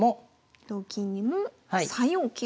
同金にも３四桂。